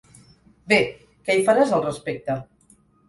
Bé, què hi faràs al respecte?